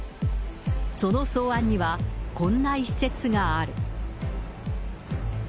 その草案には、こんな一説がある。